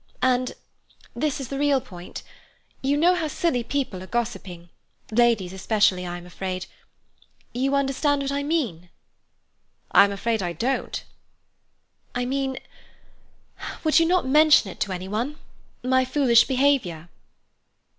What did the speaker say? "And—this is the real point—you know how silly people are gossiping—ladies especially, I am afraid—you understand what I mean?" "I'm afraid I don't." "I mean, would you not mention it to any one, my foolish behaviour?"